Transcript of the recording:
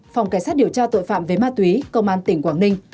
phòng cảnh sát điều tra tội phạm về ma túy công an tỉnh quảng ninh